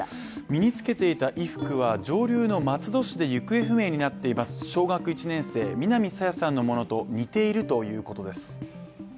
身につけていた衣服は上流の松戸市で行方不明になっていますが小学１年生、南朝芽さんのものと似ているということです。